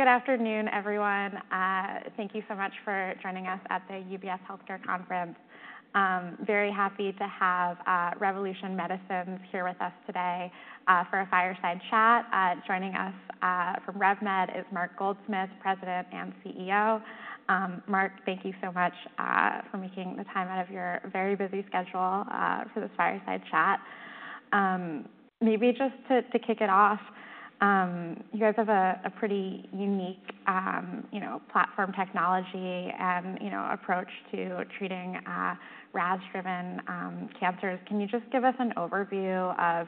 Good afternoon, everyone. Thank you so much for joining us at the UBS Healthcare Conference. Very happy to have Revolution Medicines here with us today for a fireside chat. Joining us from RevMed is Mark Goldsmith, President and CEO. Mark, thank you so much for making the time out of your very busy schedule for this fireside chat. Maybe just to kick it off, you guys have a pretty unique platform technology approach to treating RAS-driven cancers. Can you just give us an overview of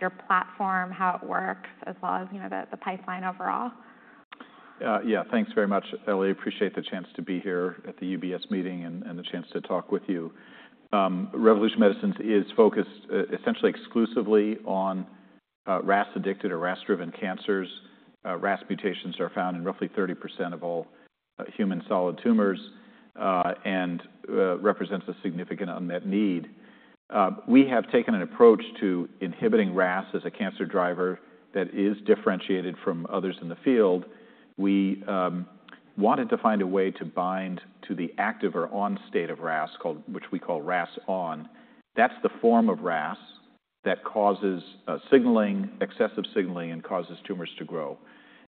your platform, how it works, as well as the pipeline overall? Yeah, thanks very much, Ellie. I appreciate the chance to be here at the UBS meeting and the chance to talk with you. Revolution Medicines is focused essentially exclusively on RAS-addicted or RAS-driven cancers. RAS mutations are found in roughly 30% of all human solid tumors and represent a significant unmet need. We have taken an approach to inhibiting RAS as a cancer driver that is differentiated from others in the field. We wanted to find a way to bind to the active or on state of RAS, which we call RAS(ON). That's the form of RAS that causes excessive signaling and causes tumors to grow.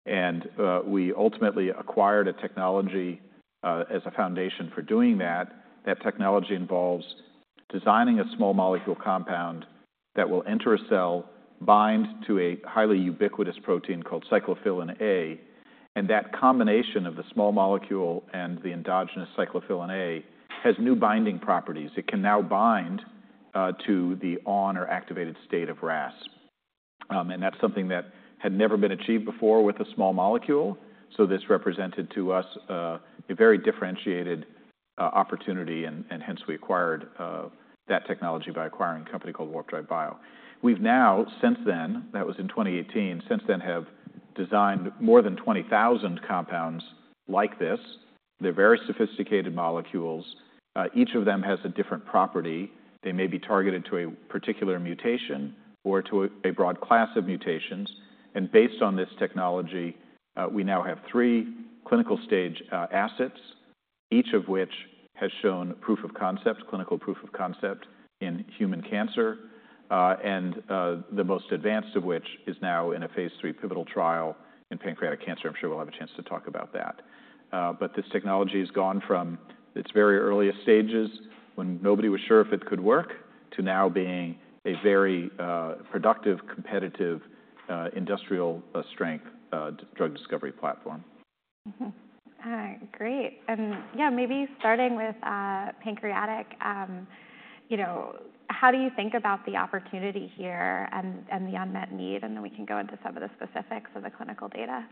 And we ultimately acquired a technology as a foundation for doing that. That technology involves designing a small molecule compound that will enter a cell, bind to a highly ubiquitous protein called cyclophilin A. And that combination of the small molecule and the endogenous cyclophilin A has new binding properties. It can now bind to the on or activated state of RAS. And that's something that had never been achieved before with a small molecule. So this represented to us a very differentiated opportunity, and hence we acquired that technology by acquiring a company called Warp Drive Bio. We've now, since then, that was in 2018, since then have designed more than 20,000 compounds like this. They're very sophisticated molecules. Each of them has a different property. They may be targeted to a particular mutation or to a broad class of mutations. And based on this technology, we now have three clinical stage assets, each of which has shown proof of concept, clinical proof of concept in human cancer. The most advanced of which is now in a phase III pivotal trial in pancreatic cancer. I'm sure we'll have a chance to talk about that. This technology has gone from its very earliest stages, when nobody was sure if it could work, to now being a very productive, competitive, industrial strength drug discovery platform. Great. And yeah, maybe starting with pancreatic, how do you think about the opportunity here and the unmet need? And then we can go into some of the specifics of the clinical data.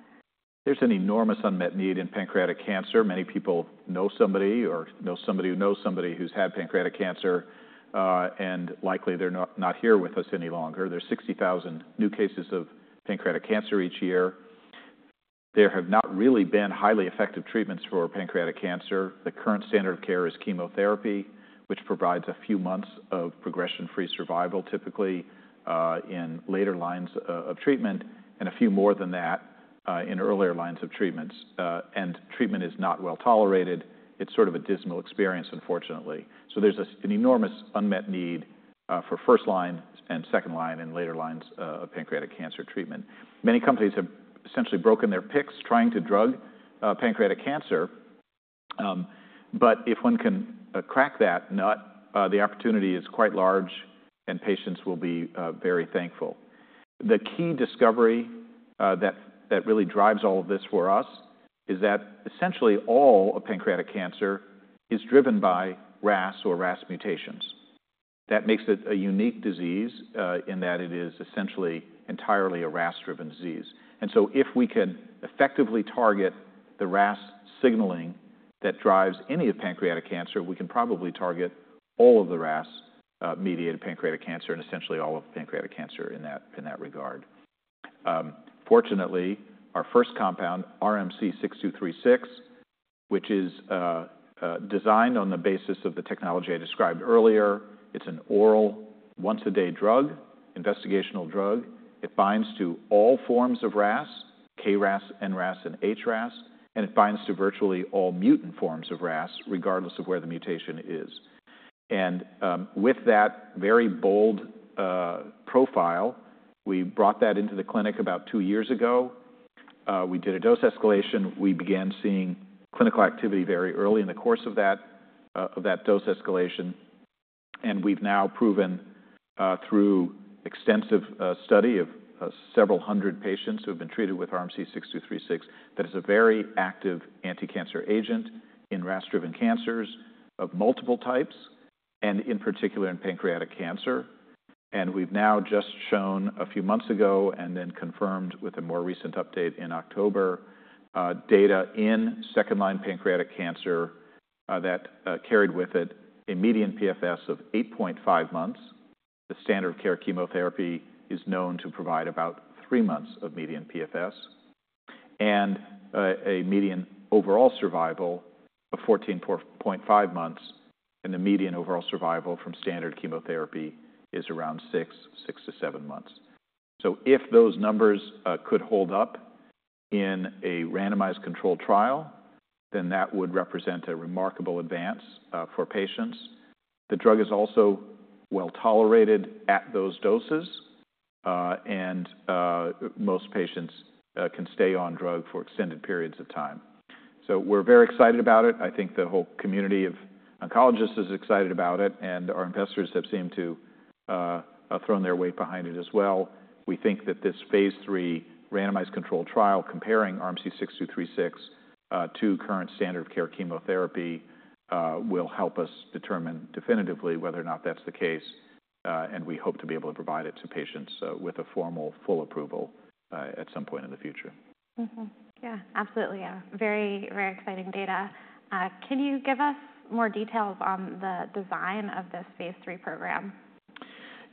There's an enormous unmet need in pancreatic cancer. Many people know somebody or know somebody who knows somebody who's had pancreatic cancer, and likely they're not here with us any longer. There's 60,000 new cases of pancreatic cancer each year. There have not really been highly effective treatments for pancreatic cancer. The current standard of care is chemotherapy, which provides a few months of progression-free survival typically in later lines of treatment, and a few more than that in earlier lines of treatments, and treatment is not well tolerated. It's sort of a dismal experience, unfortunately, so there's an enormous unmet need for first line and second line and later lines of pancreatic cancer treatment. Many companies have essentially broken their picks trying to drug pancreatic cancer, but if one can crack that nut, the opportunity is quite large, and patients will be very thankful. The key discovery that really drives all of this for us is that essentially all of pancreatic cancer is driven by RAS or RAS mutations. That makes it a unique disease in that it is essentially entirely a RAS-driven disease, and so if we can effectively target the RAS signaling that drives any of pancreatic cancer, we can probably target all of the RAS-mediated pancreatic cancer and essentially all of pancreatic cancer in that regard. Fortunately, our first compound, RMC-6236, which is designed on the basis of the technology I described earlier, it's an oral once-a-day drug, investigational drug. It binds to all forms of RAS, KRAS, NRAS, and HRAS, and it binds to virtually all mutant forms of RAS, regardless of where the mutation is, and with that very bold profile, we brought that into the clinic about two years ago. We did a dose escalation. We began seeing clinical activity very early in the course of that dose escalation, and we've now proven through extensive study of several hundred patients who have been treated with RMC-6236 that it's a very active anti-cancer agent in RAS-driven cancers of multiple types, and in particular in pancreatic cancer, and we've now just shown a few months ago and then confirmed with a more recent update in October data in second-line pancreatic cancer that carried with it a median PFS of 8.5 months. The standard of care chemotherapy is known to provide about three months of median PFS, and a median overall survival of 14.5 months, and the median overall survival from standard chemotherapy is around six, six to seven months, so if those numbers could hold up in a randomized controlled trial, then that would represent a remarkable advance for patients. The drug is also well tolerated at those doses, and most patients can stay on drug for extended periods of time, so we're very excited about it. I think the whole community of oncologists is excited about it, and our investors have seemed to have thrown their weight behind it as well. We think that this phase III randomized controlled trial comparing RMC-6236 to current standard of care chemotherapy will help us determine definitively whether or not that's the case, and we hope to be able to provide it to patients with a formal full approval at some point in the future. Yeah, absolutely. Very, very exciting data. Can you give us more details on the design of this phase III program?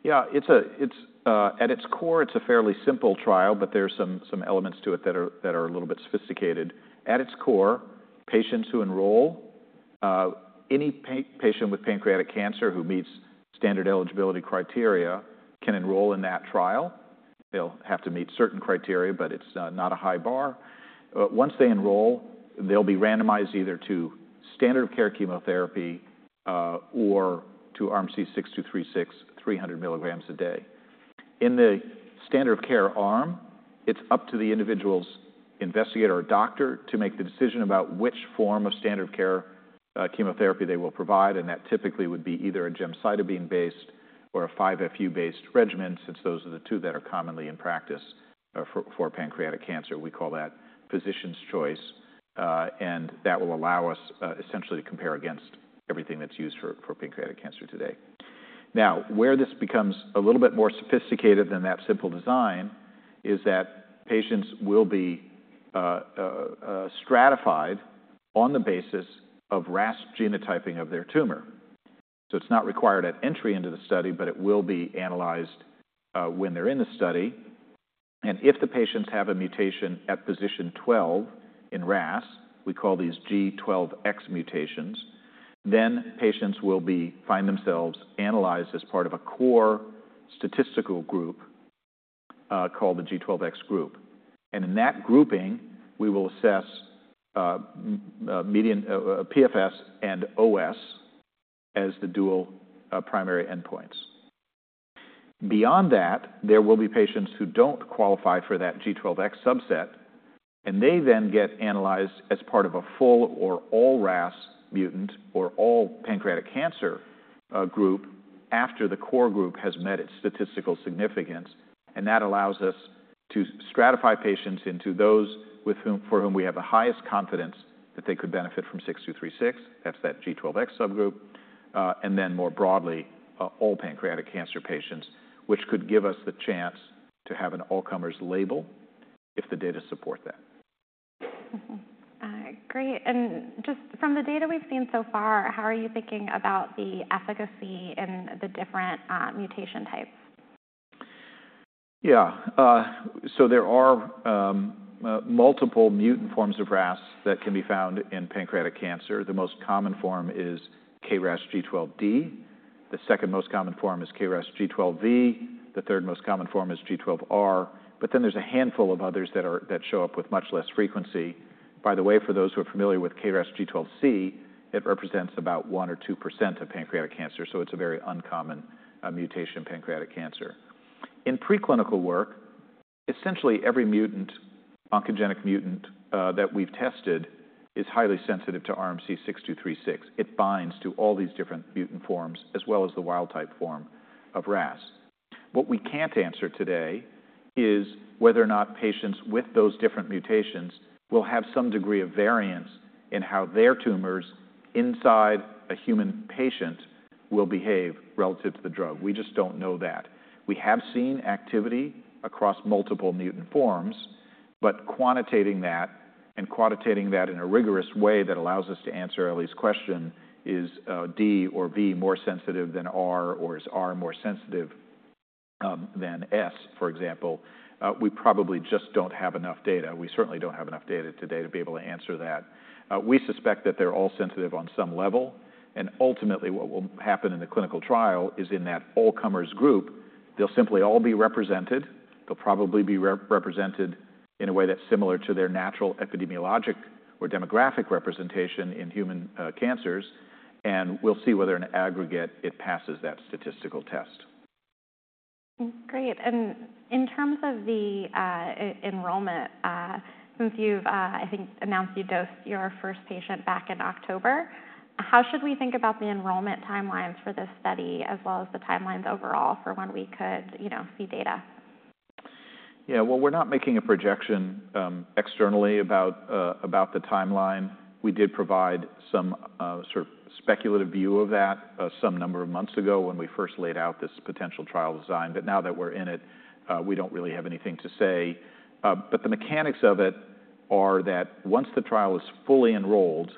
Yeah, at its core, it's a fairly simple trial, but there are some elements to it that are a little bit sophisticated. At its core, patients who enroll, any patient with pancreatic cancer who meets standard eligibility criteria can enroll in that trial. They'll have to meet certain criteria, but it's not a high bar. Once they enroll, they'll be randomized either to standard of care chemotherapy or to RMC-6236, 300 milligrams a day. In the standard of care arm, it's up to the individual's investigator or doctor to make the decision about which form of standard of care chemotherapy they will provide. And that typically would be either a gemcitabine-based or a 5-FU-based regimen, since those are the two that are commonly in practice for pancreatic cancer. We call that physician's choice. And that will allow us essentially to compare against everything that's used for pancreatic cancer today. Now, where this becomes a little bit more sophisticated than that simple design is that patients will be stratified on the basis of RAS genotyping of their tumor. So it's not required at entry into the study, but it will be analyzed when they're in the study, and if the patients have a mutation at position 12 in RAS, we call these G12X mutations, then patients will find themselves analyzed as part of a core statistical group called the G12X group, and in that grouping, we will assess PFS and OS as the dual primary endpoints. Beyond that, there will be patients who don't qualify for that G12X subset, and they then get analyzed as part of a full or all RAS mutant or all pancreatic cancer group after the core group has met its statistical significance. And that allows us to stratify patients into those for whom we have the highest confidence that they could benefit from 6236. That's that G12X subgroup. And then more broadly, all pancreatic cancer patients, which could give us the chance to have an all-comers label if the data support that. Great. And just from the data we've seen so far, how are you thinking about the efficacy and the different mutation types? Yeah. So there are multiple mutant forms of RAS that can be found in pancreatic cancer. The most common form is KRAS G12D. The second most common form is KRAS G12V. The third most common form is G12R. But then there's a handful of others that show up with much less frequency. By the way, for those who are familiar with KRAS G12C, it represents about 1% or 2% of pancreatic cancer. So it's a very uncommon mutation in pancreatic cancer. In preclinical work, essentially every mutant, oncogenic mutant that we've tested is highly sensitive to RMC-6236. It binds to all these different mutant forms as well as the wild type form of RAS. What we can't answer today is whether or not patients with those different mutations will have some degree of variance in how their tumors inside a human patient will behave relative to the drug. We just don't know that. We have seen activity across multiple mutant forms, but quantitating that in a rigorous way that allows us to answer Ellie's question: is D or V more sensitive than R or is R more sensitive than S, for example. We probably just don't have enough data. We certainly don't have enough data today to be able to answer that. We suspect that they're all sensitive on some level, and ultimately, what will happen in the clinical trial is in that all-comers group, they'll simply all be represented. They'll probably be represented in a way that's similar to their natural epidemiologic or demographic representation in human cancers, and we'll see whether in aggregate it passes that statistical test. Great. And in terms of the enrollment, since you've, I think, announced you dosed your first patient back in October, how should we think about the enrollment timelines for this study as well as the timelines overall for when we could see data? Yeah, well, we're not making a projection externally about the timeline. We did provide some sort of speculative view of that some number of months ago when we first laid out this potential trial design. But now that we're in it, we don't really have anything to say. But the mechanics of it are that once the trial is fully enrolled,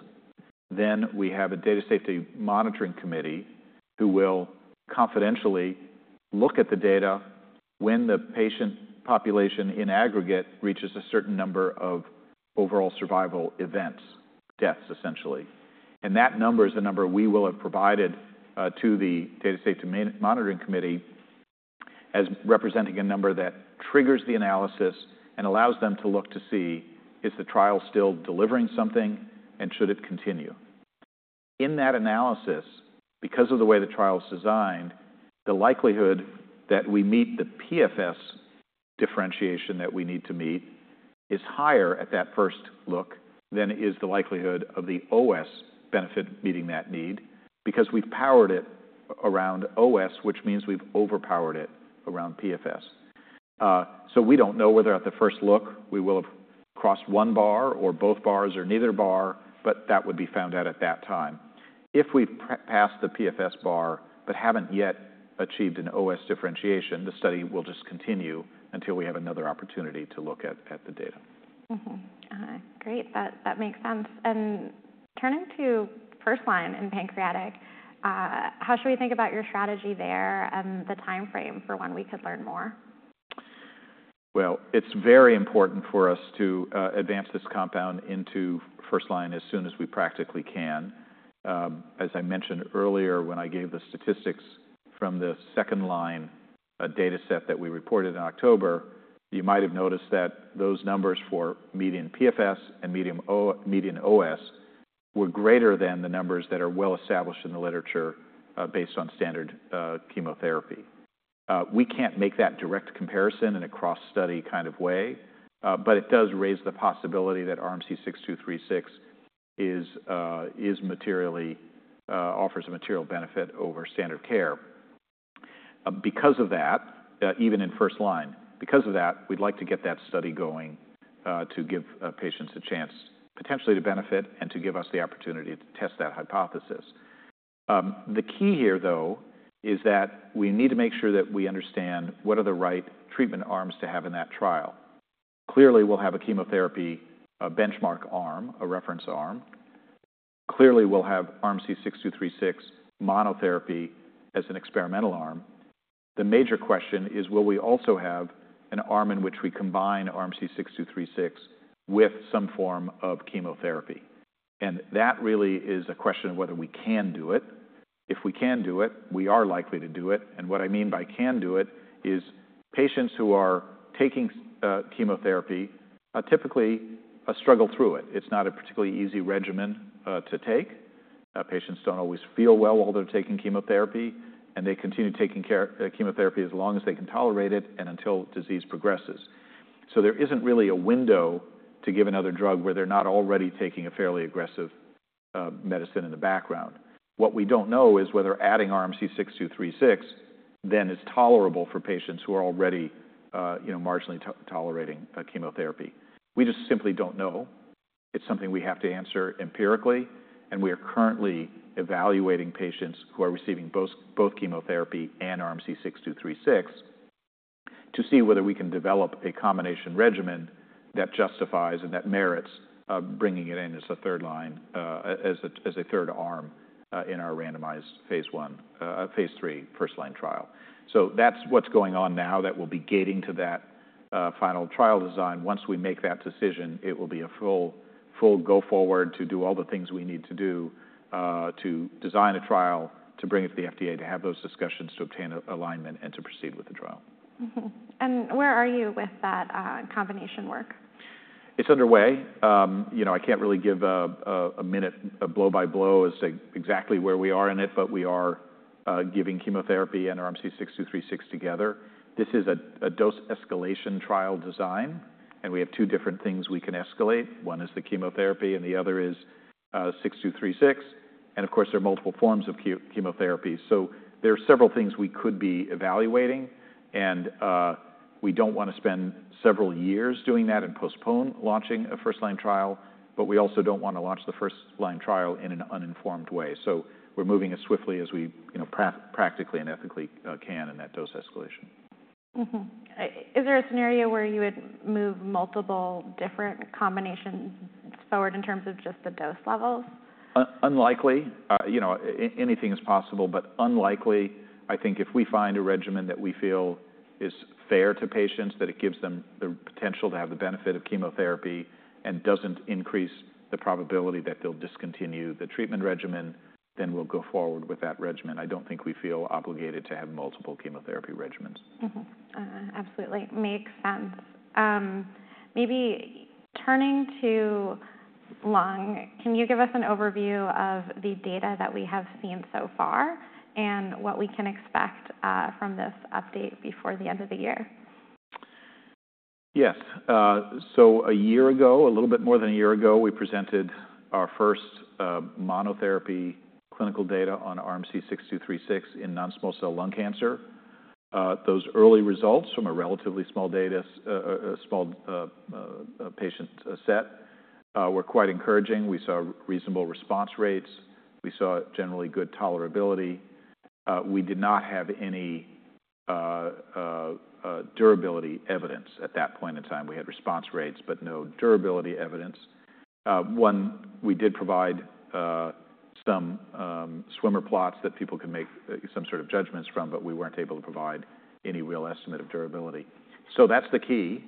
then we have a data safety monitoring committee who will confidentially look at the data when the patient population in aggregate reaches a certain number of overall survival events, deaths, essentially. And that number is a number we will have provided to the data safety monitoring committee as representing a number that triggers the analysis and allows them to look to see, is the trial still delivering something and should it continue? In that analysis, because of the way the trial is designed, the likelihood that we meet the PFS differentiation that we need to meet is higher at that first look than it is the likelihood of the OS benefit meeting that need because we've powered it around OS, which means we've overpowered it around PFS. So we don't know whether at the first look we will have crossed one bar or both bars or neither bar, but that would be found out at that time. If we've passed the PFS bar but haven't yet achieved an OS differentiation, the study will just continue until we have another opportunity to look at the data. Great. That makes sense. Turning to first line in pancreatic, how should we think about your strategy there and the timeframe for when we could learn more? It's very important for us to advance this compound into first line as soon as we practically can. As I mentioned earlier, when I gave the statistics from the second line data set that we reported in October, you might have noticed that those numbers for median PFS and median OS were greater than the numbers that are well established in the literature based on standard chemotherapy. We can't make that direct comparison in a cross-study kind of way, but it does raise the possibility that RMC-6236 offers a material benefit over standard care. Because of that, even in first line, because of that, we'd like to get that study going to give patients a chance potentially to benefit and to give us the opportunity to test that hypothesis. The key here, though, is that we need to make sure that we understand what are the right treatment arms to have in that trial. Clearly, we'll have a chemotherapy benchmark arm, a reference arm. Clearly, we'll have RMC-6236 monotherapy as an experimental arm. The major question is, will we also have an arm in which we combine RMC-6236 with some form of chemotherapy? And that really is a question of whether we can do it. If we can do it, we are likely to do it. And what I mean by can do it is patients who are taking chemotherapy typically struggle through it. It's not a particularly easy regimen to take. Patients don't always feel well while they're taking chemotherapy, and they continue taking chemotherapy as long as they can tolerate it and until disease progresses. So there isn't really a window to give another drug where they're not already taking a fairly aggressive medicine in the background. What we don't know is whether adding RMC-6236 then is tolerable for patients who are already marginally tolerating chemotherapy. We just simply don't know. It's something we have to answer empirically. And we are currently evaluating patients who are receiving both chemotherapy and RMC-6236 to see whether we can develop a combination regimen that justifies and that merits bringing it in as a third line as a third arm in our randomized phase I, phase III first line trial. So that's what's going on now that we'll be gating to that final trial design. Once we make that decision, it will be a full go forward to do all the things we need to do to design a trial to bring it to the FDA to have those discussions to obtain alignment and to proceed with the trial. Where are you with that combination work? It's underway. I can't really give a minute, a blow by blow as to exactly where we are in it, but we are giving chemotherapy and RMC-6236 together. This is a dose escalation trial design, and we have two different things we can escalate. One is the chemotherapy, and the other is 6236. And of course, there are multiple forms of chemotherapy. So there are several things we could be evaluating, and we don't want to spend several years doing that and postpone launching a first line trial, but we also don't want to launch the first line trial in an uninformed way. So we're moving as swiftly as we practically and ethically can in that dose escalation. Is there a scenario where you would move multiple different combinations forward in terms of just the dose levels? Unlikely. Anything is possible, but unlikely. I think if we find a regimen that we feel is fair to patients, that it gives them the potential to have the benefit of chemotherapy and doesn't increase the probability that they'll discontinue the treatment regimen, then we'll go forward with that regimen. I don't think we feel obligated to have multiple chemotherapy regimens. Absolutely. Makes sense. Maybe turning to lung, can you give us an overview of the data that we have seen so far and what we can expect from this update before the end of the year? Yes. So a year ago, a little bit more than a year ago, we presented our first monotherapy clinical data on RMC-6236 in non-small cell lung cancer. Those early results from a relatively small patient set were quite encouraging. We saw reasonable response rates. We saw generally good tolerability. We did not have any durability evidence at that point in time. We had response rates, but no durability evidence. One, we did provide some swimmer plots that people could make some sort of judgments from, but we weren't able to provide any real estimate of durability. So that's the key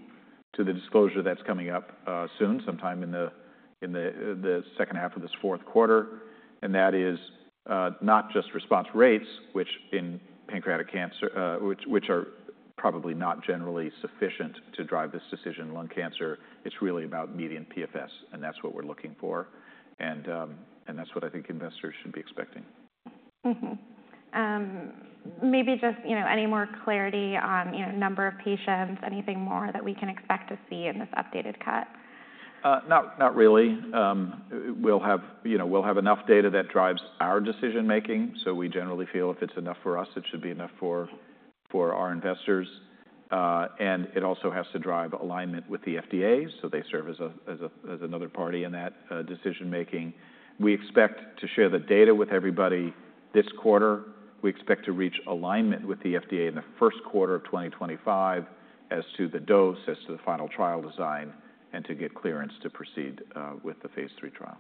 to the disclosure that's coming up soon, sometime in the second half of this fourth quarter. And that is not just response rates, which in pancreatic cancer, which are probably not generally sufficient to drive this decision in lung cancer. It's really about median PFS, and that's what we're looking for. And that's what I think investors should be expecting. Maybe just any more clarity on number of patients, anything more that we can expect to see in this updated cut? Not really. We'll have enough data that drives our decision-making. So we generally feel if it's enough for us, it should be enough for our investors. And it also has to drive alignment with the FDA. So they serve as another party in that decision-making. We expect to share the data with everybody this quarter. We expect to reach alignment with the FDA in the first quarter of 2025 as to the dose, as to the final trial design, and to get clearance to proceed with the phase III trial.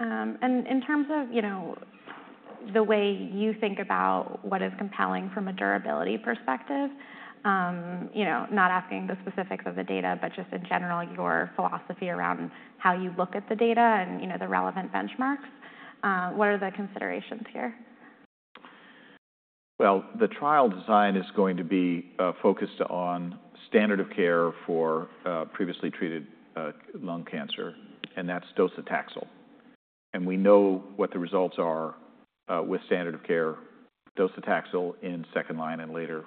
In terms of the way you think about what is compelling from a durability perspective, not asking the specifics of the data, but just in general your philosophy around how you look at the data and the relevant benchmarks, what are the considerations here? The trial design is going to be focused on standard of care for previously treated lung cancer, and that's docetaxel. We know what the results are with standard of care, docetaxel in second line and later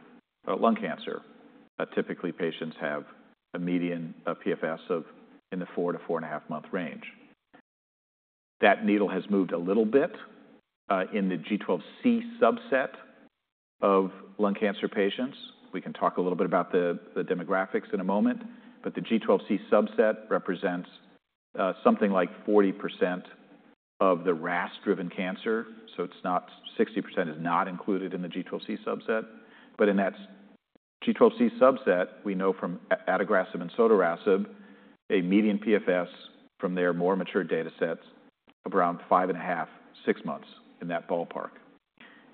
lung cancer. Typically, patients have a median PFS of in the four to four and a half month range. That needle has moved a little bit in the G12C subset of lung cancer patients. We can talk a little bit about the demographics in a moment, but the G12C subset represents something like 40% of the RAS-driven cancer. 60% is not included in the G12C subset. In that G12C subset, we know from adagrasib and sotorasib, a median PFS from their more mature data sets around five and a half, six months in that ballpark.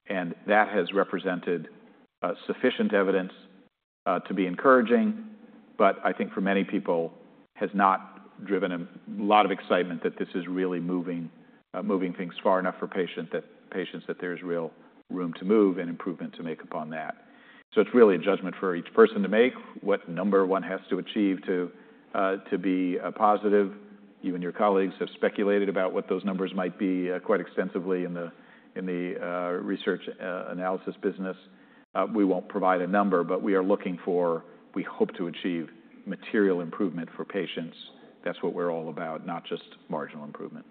That has represented sufficient evidence to be encouraging, but I think for many people has not driven a lot of excitement that this is really moving things far enough for patients that there's real room to move and improvement to make upon that. It's really a judgment for each person to make what number one has to achieve to be positive. You and your colleagues have speculated about what those numbers might be quite extensively in the research analysis business. We won't provide a number, but we are looking for, we hope to achieve material improvement for patients. That's what we're all about, not just marginal improvement.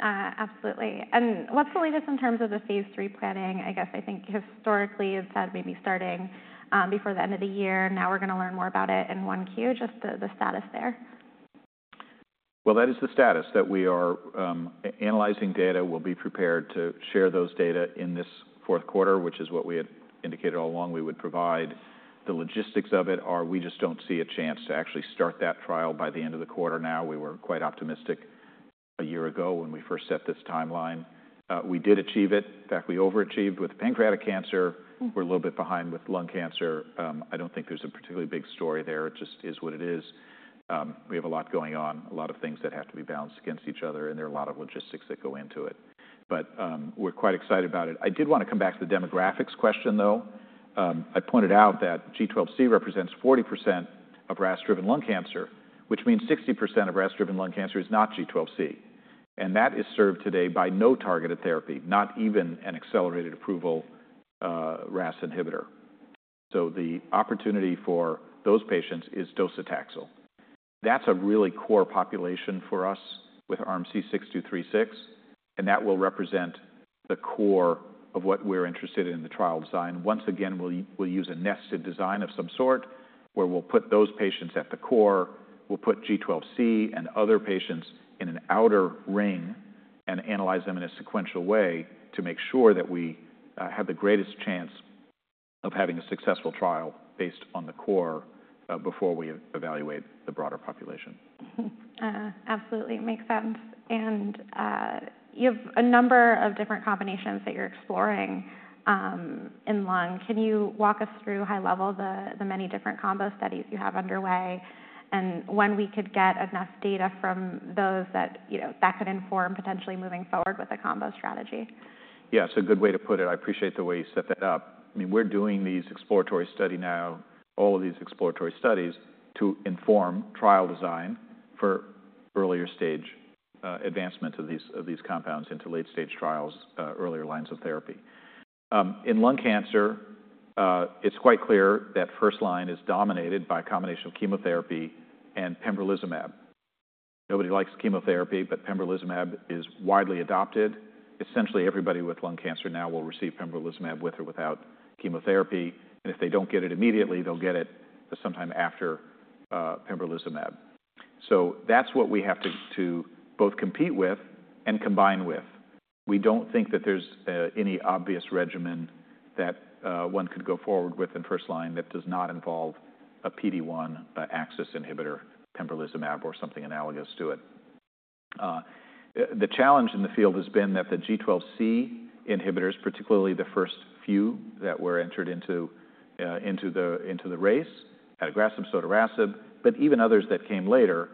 Absolutely. And what's the latest in terms of the phase III planning? I guess I think historically you've said maybe starting before the end of the year. Now we're going to learn more about it in 1Q. Just the status there? Well, that is the status that we are analyzing data. We'll be prepared to share those data in this fourth quarter, which is what we had indicated all along we would provide. The logistics of it are we just don't see a chance to actually start that trial by the end of the quarter now. We were quite optimistic a year ago when we first set this timeline. We did achieve it. In fact, we overachieved with pancreatic cancer. We're a little bit behind with lung cancer. I don't think there's a particularly big story there. It just is what it is. We have a lot going on, a lot of things that have to be balanced against each other, and there are a lot of logistics that go into it. But we're quite excited about it. I did want to come back to the demographics question, though. I pointed out that G12C represents 40% of RAS-driven lung cancer, which means 60% of RAS-driven lung cancer is not G12C, and that is served today by no targeted therapy, not even an accelerated approval RAS inhibitor, so the opportunity for those patients is docetaxel. That's a really core population for us with RMC-6236, and that will represent the core of what we're interested in in the trial design. Once again, we'll use a nested design of some sort where we'll put those patients at the core. We'll put G12C and other patients in an outer ring and analyze them in a sequential way to make sure that we have the greatest chance of having a successful trial based on the core before we evaluate the broader population. Absolutely. Makes sense. And you have a number of different combinations that you're exploring in lung. Can you walk us through high level the many different combo studies you have underway and when we could get enough data from those that could inform potentially moving forward with a combo strategy? Yeah, it's a good way to put it. I appreciate the way you set that up. I mean, we're doing these exploratory studies now, all of these exploratory studies to inform trial design for earlier stage advancement of these compounds into late stage trials, earlier lines of therapy. In lung cancer, it's quite clear that first line is dominated by a combination of chemotherapy and pembrolizumab. Nobody likes chemotherapy, but pembrolizumab is widely adopted. Essentially, everybody with lung cancer now will receive pembrolizumab with or without chemotherapy, and if they don't get it immediately, they'll get it sometime after pembrolizumab, so that's what we have to both compete with and combine with. We don't think that there's any obvious regimen that one could go forward with in first line that does not involve a PD-1 axis inhibitor, pembrolizumab or something analogous to it. The challenge in the field has been that the G12C inhibitors, particularly the first few that were entered into the race, adagrasib, sotorasib, but even others that came later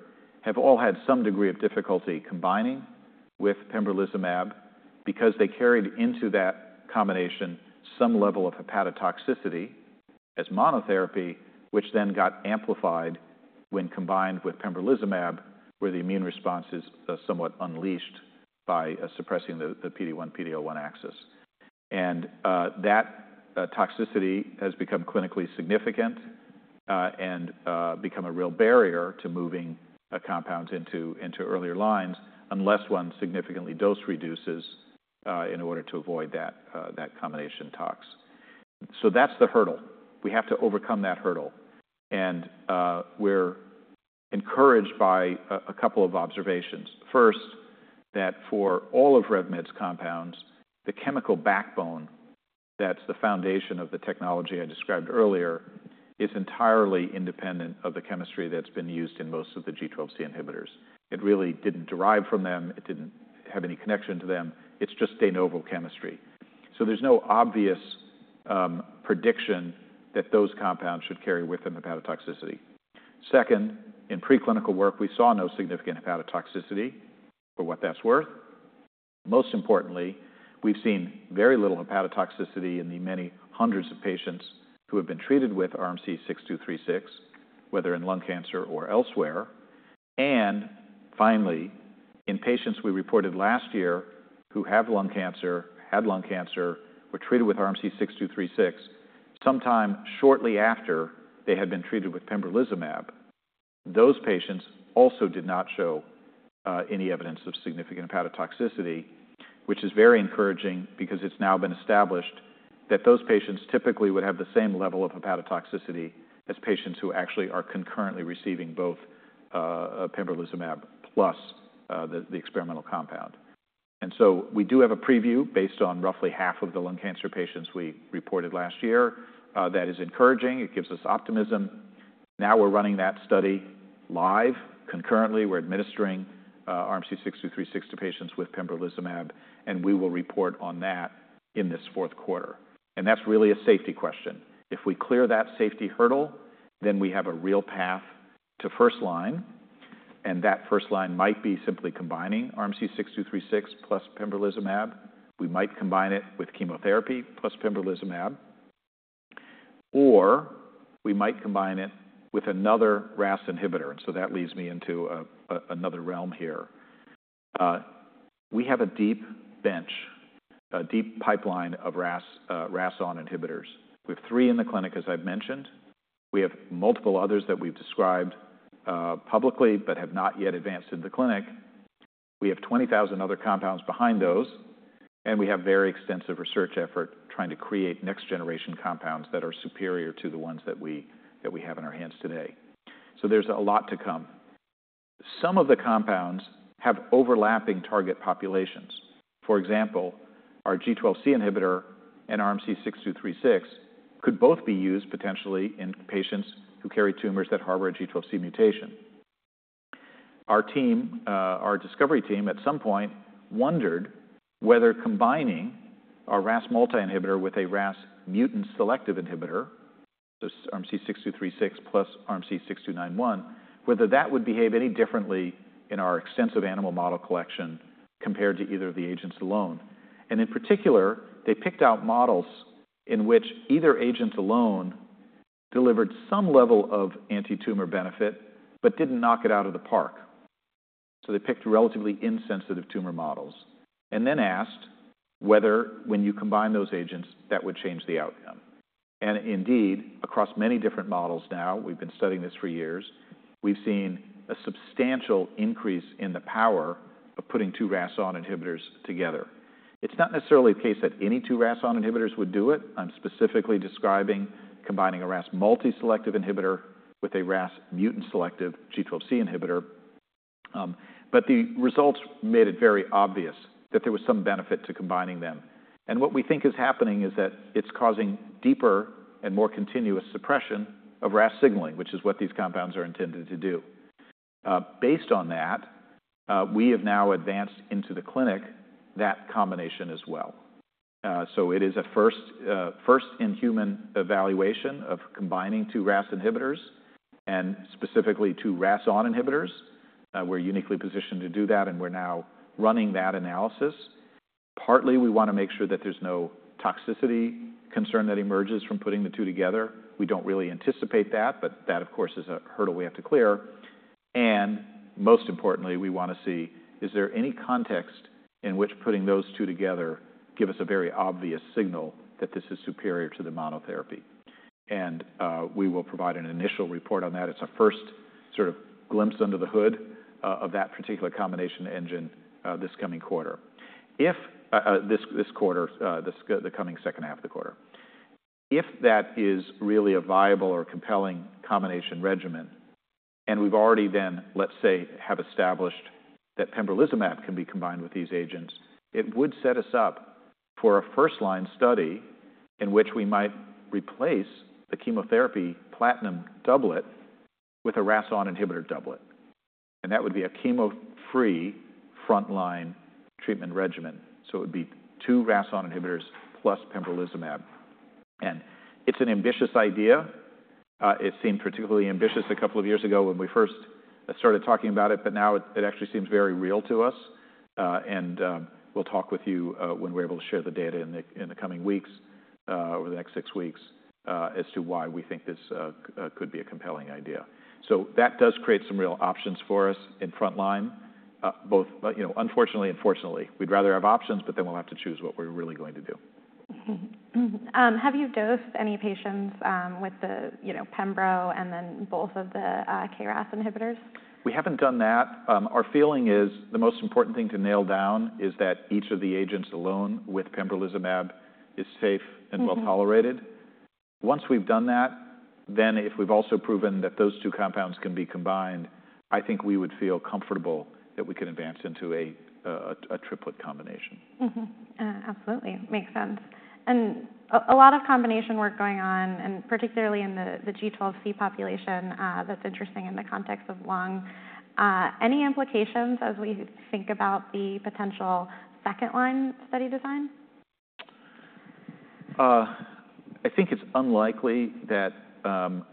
have all had some degree of difficulty combining with pembrolizumab because they carried into that combination some level of hepatotoxicity as monotherapy, which then got amplified when combined with pembrolizumab where the immune response is somewhat unleashed by suppressing the PD-1, PD-L1 axis. And that toxicity has become clinically significant and become a real barrier to moving compounds into earlier lines unless one significantly dose reduces in order to avoid that combination tox. So that's the hurdle. We have to overcome that hurdle. And we're encouraged by a couple of observations. First, that for all of RevMed's compounds, the chemical backbone that's the foundation of the technology I described earlier is entirely independent of the chemistry that's been used in most of the G12C inhibitors. It really didn't derive from them. It didn't have any connection to them. It's just de novo chemistry. So there's no obvious prediction that those compounds should carry with them hepatotoxicity. Second, in preclinical work, we saw no significant hepatotoxicity for what that's worth. Most importantly, we've seen very little hepatotoxicity in the many hundreds of patients who have been treated with RMC-6236, whether in lung cancer or elsewhere. And finally, in patients we reported last year who have lung cancer, had lung cancer, were treated with RMC-6236, sometime shortly after they had been treated with pembrolizumab, those patients also did not show any evidence of significant hepatotoxicity, which is very encouraging because it's now been established that those patients typically would have the same level of hepatotoxicity as patients who actually are concurrently receiving both pembrolizumab plus the experimental compound. And so we do have a preview based on roughly half of the lung cancer patients we reported last year. That is encouraging. It gives us optimism. Now we're running that study live. Concurrently, we're administering RMC-6236 to patients with pembrolizumab, and we will report on that in this fourth quarter. And that's really a safety question. If we clear that safety hurdle, then we have a real path to first line. And that first line might be simply combining RMC-6236 plus pembrolizumab. We might combine it with chemotherapy plus pembrolizumab, or we might combine it with another RAS inhibitor. And so that leads me into another realm here. We have a deep bench, a deep pipeline of RAS(ON) inhibitors. We have three in the clinic, as I've mentioned. We have multiple others that we've described publicly, but have not yet advanced into the clinic. We have 20,000 other compounds behind those, and we have very extensive research effort trying to create next generation compounds that are superior to the ones that we have in our hands today. So there's a lot to come. Some of the compounds have overlapping target populations. For example, our G12C inhibitor and RMC-6236 could both be used potentially in patients who carry tumors that harbor a G12C mutation. Our team, our discovery team at some point wondered whether combining our RAS multi-inhibitor with a RAS mutant selective inhibitor, so RMC-6236 plus RMC-6291, whether that would behave any differently in our extensive animal model collection compared to either of the agents alone, and in particular, they picked out models in which either agent alone delivered some level of anti-tumor benefit, but didn't knock it out of the park, so they picked relatively insensitive tumor models and then asked whether when you combine those agents, that would change the outcome, and indeed, across many different models now, we've been studying this for years, we've seen a substantial increase in the power of putting two RAS(ON) inhibitors together. It's not necessarily the case that any two RAS(ON) inhibitors would do it. I'm specifically describing combining a RAS multi-selective inhibitor with a RAS mutant selective G12C inhibitor. But the results made it very obvious that there was some benefit to combining them. And what we think is happening is that it's causing deeper and more continuous suppression of RAS signaling, which is what these compounds are intended to do. Based on that, we have now advanced into the clinic that combination as well. So it is a first in human evaluation of combining two RAS inhibitors and specifically two RAS(ON) inhibitors. We're uniquely positioned to do that, and we're now running that analysis. Partly, we want to make sure that there's no toxicity concern that emerges from putting the two together. We don't really anticipate that, but that, of course, is a hurdle we have to clear. And most importantly, we want to see, is there any context in which putting those two together gives us a very obvious signal that this is superior to the monotherapy. And we will provide an initial report on that. It's a first sort of glimpse under the hood of that particular combination engine this coming quarter. This quarter, the coming second half of the quarter. If that is really a viable or compelling combination regimen, and we've already then, let's say, have established that pembrolizumab can be combined with these agents, it would set us up for a first line study in which we might replace the chemotherapy platinum doublet with a RAS(ON) inhibitor doublet. And that would be a chemo-free front line treatment regimen. So it would be two RAS(ON) inhibitors plus pembrolizumab. And it's an ambitious idea. It seemed particularly ambitious a couple of years ago when we first started talking about it, but now it actually seems very real to us. And we'll talk with you when we're able to share the data in the coming weeks, over the next six weeks, as to why we think this could be a compelling idea. So that does create some real options for us in front line, both unfortunately and fortunately. We'd rather have options, but then we'll have to choose what we're really going to do. Have you dosed any patients with the pembro and then both of the KRAS inhibitors? We haven't done that. Our feeling is the most important thing to nail down is that each of the agents alone with pembrolizumab is safe and well tolerated. Once we've done that, then if we've also proven that those two compounds can be combined, I think we would feel comfortable that we could advance into a triplet combination. Absolutely. Makes sense. And a lot of combination work going on, and particularly in the G12C population. That's interesting in the context of lung. Any implications as we think about the potential second line study design? I think it's unlikely that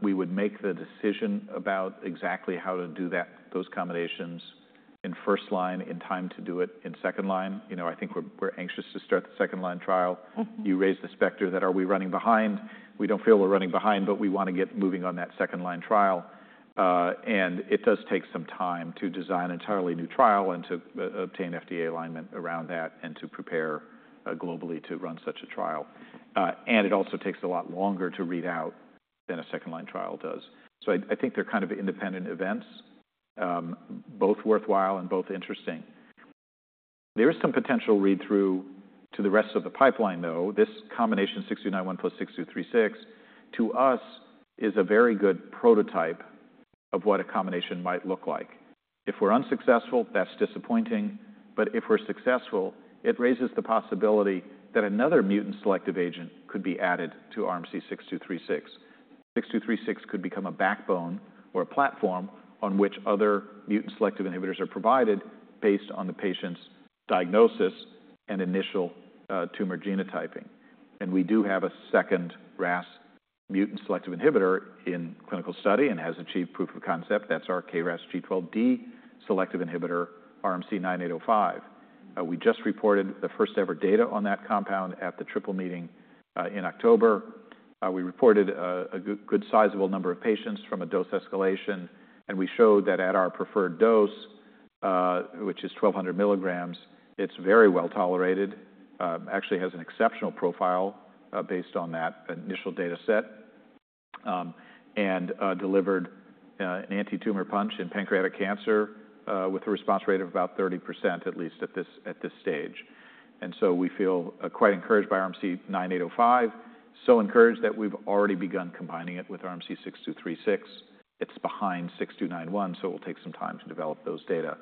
we would make the decision about exactly how to do those combinations in first line in time to do it in second line. I think we're anxious to start the second line trial. You raise the specter that, are we running behind? We don't feel we're running behind, but we want to get moving on that second line trial, and it does take some time to design an entirely new trial and to obtain FDA alignment around that and to prepare globally to run such a trial. And it also takes a lot longer to read out than a second line trial does, so I think they're kind of independent events, both worthwhile and both interesting. There is some potential read-through to the rest of the pipeline, though. This combination 6291 plus 6236, to us, is a very good prototype of what a combination might look like. If we're unsuccessful, that's disappointing. But if we're successful, it raises the possibility that another mutant selective agent could be added to RMC-6236. 6236 could become a backbone or a platform on which other mutant selective inhibitors are provided based on the patient's diagnosis and initial tumor genotyping. And we do have a second RAS mutant selective inhibitor in clinical study and has achieved proof of concept. That's our KRAS G12D selective inhibitor, RMC-9805. We just reported the first ever data on that compound at the Triple Meeting in October. We reported a good sizable number of patients from a dose escalation, and we showed that at our preferred dose, which is 1200 milligrams, it's very well tolerated, actually has an exceptional profile based on that initial data set, and delivered an anti-tumor punch in pancreatic cancer with a response rate of about 30%, at least at this stage, and so we feel quite encouraged by RMC-9805, so encouraged that we've already begun combining it with RMC-6236. It's behind RMC-6291, so it will take some time to develop those data,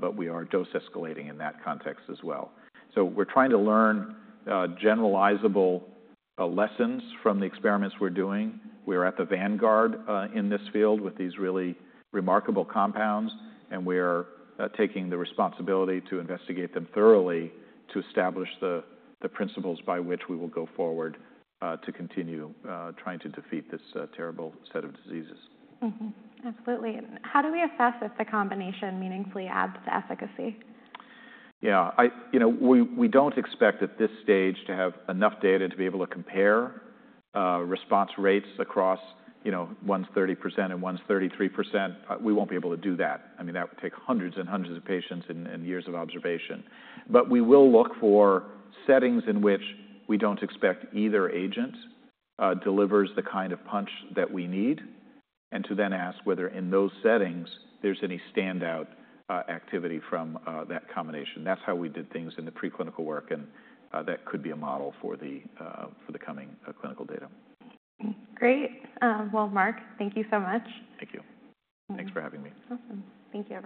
but we are dose escalating in that context as well, so we're trying to learn generalizable lessons from the experiments we're doing. We are at the vanguard in this field with these really remarkable compounds, and we are taking the responsibility to investigate them thoroughly to establish the principles by which we will go forward to continue trying to defeat this terrible set of diseases. Absolutely. How do we assess if the combination meaningfully adds to efficacy? Yeah. We don't expect at this stage to have enough data to be able to compare response rates across one's 30% and one's 33%. We won't be able to do that. I mean, that would take hundreds and hundreds of patients and years of observation. But we will look for settings in which we don't expect either agent delivers the kind of punch that we need, and to then ask whether in those settings there's any standout activity from that combination. That's how we did things in the preclinical work, and that could be a model for the coming clinical data. Great, well, Mark, thank you so much. Thank you. Thanks for having me. Thank you.